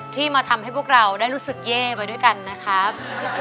ที่มาทำให้พวกเราได้รู้สึกเย่ไปด้วยกันนะครับ